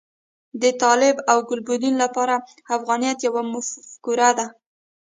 د طالب او ګلبدین لپاره افغانیت یوه مفکوره ده.